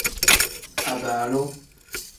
Abaalu.